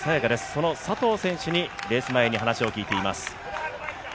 その佐藤選手に、レース前に話を聞いています。